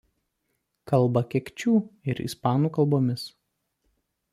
Kalba kekčių ir ispanų kalbomis.